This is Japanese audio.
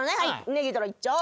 ネギトロいっちょう。